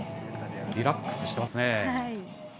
リラックスしてますね。